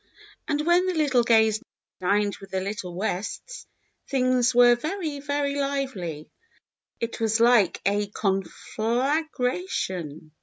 And when the little Gays dined with the little Wests, things w^ere very, very lively. It was like a conflagration.